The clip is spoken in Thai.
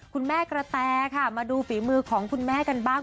คุณแม่กระแตค่ะมาดูฝีมือของคุณแม่กันบ้าง